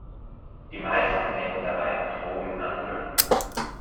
Die meisten denken dabei an Drogenhandel.